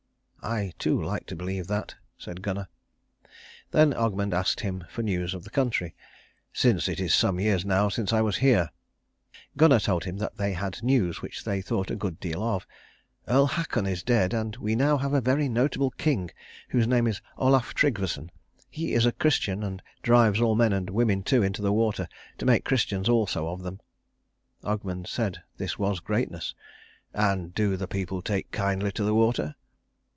"I, too, like to believe that," said Gunnar. Then Ogmund asked him for news of the country, "since it is some years now since I was here." Gunnar told him that they had news which they thought a good deal of. "Earl Haakon is dead, and we now have a very notable king, whose name is Olaf Trygvasson. He is a Christian, and drives all men, and women too, into the water, to make Christians also of them." Ogmund said this was greatness; "And do the people take kindly to the water?"